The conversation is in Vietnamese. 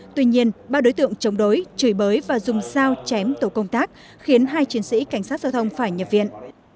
tuy nhiên ba đối tượng chống đối chửi bới và dùng sao chém tổ công tác khiến hai chiến sĩ cảnh sát giao thông phải nhập viện